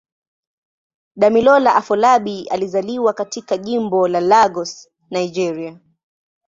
Damilola Afolabi alizaliwa katika Jimbo la Lagos, Nigeria.